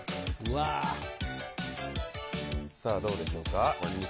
さあ、どうでしょうか。